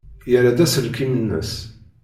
Yerra-d aselkim-nnes.